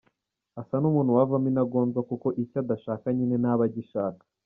Asa n’umuntu wavamo intagondwa kuko icyo adashaka nyine ntaba agishaka.